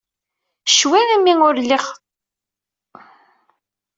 Ccwi imi ur lliɣ d tameṭṭut.